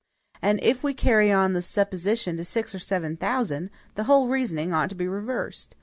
And if we carry on the supposition to six or seven thousand, the whole reasoning ought to be reversed.